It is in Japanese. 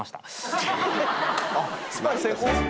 スパイ成功？